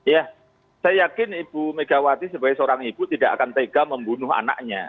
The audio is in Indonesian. ya saya yakin ibu megawati sebagai seorang ibu tidak akan tega membunuh anaknya